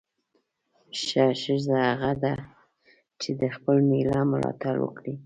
ښه ښځه هغه ده چې د خپل میړه ملاتړ وکړي.